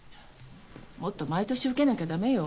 もっと毎年受けなきゃダメよ。